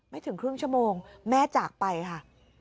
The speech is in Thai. ถึงครึ่งชั่วโมงแม่จากไปค่ะ